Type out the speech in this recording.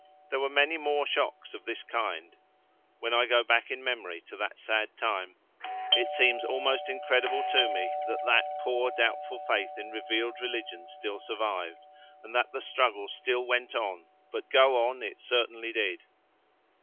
There were many more shocks of this kind when I go back in memory to that sad time, it seems almost incredible to me that that poor doubtful faith in revealed religion still survived, and that the struggle still went on, but go on it certainly did.